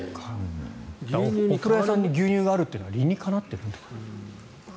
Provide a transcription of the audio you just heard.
お風呂屋さんに牛乳があるのは理にかなってるんだ。